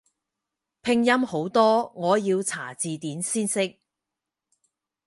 拼音好多我要查字典先識